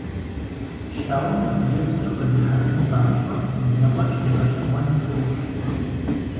Щауэм и хъыджэбзыр къыдихьэхын папщӏэ и зэфӏэкӏ къигъэлъэгъуэн хуейщ.